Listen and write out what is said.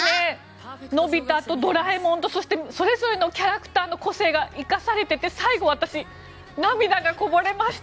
のび太とドラえもんとそれぞれのキャラクターの個性が生かされていて、最後私、涙がこぼれました。